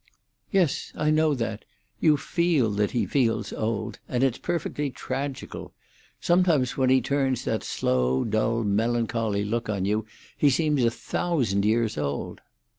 "Yes, I know that. You feel that he feels old, and it's perfectly tragical. Sometimes when he turns that slow, dull, melancholy look on you, he seems a thousand years old."